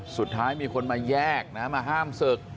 สุดท้ายมีคนมาแยกนะมาห้ามศึก